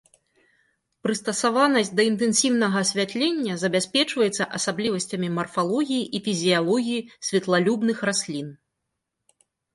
Прыстасаванасць да інтэнсіўнага асвятлення забяспечваецца асаблівасцямі марфалогіі і фізіялогіі святлалюбных раслін.